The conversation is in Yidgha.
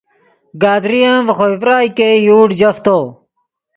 گدرین ڤے خوئے ڤرائے ګئے یوڑ جفتو